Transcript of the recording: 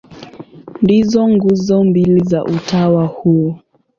Ndizo nguzo mbili za utawa huo.